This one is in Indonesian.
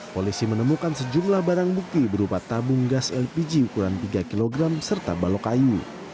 polisi menemukan sejumlah barang bukti berupa tabung gas lpg ukuran tiga kg serta balok kayu